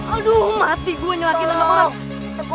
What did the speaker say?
aduh mati gua nyewakin sama orang